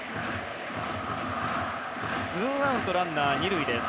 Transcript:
ツーアウトランナー２塁です。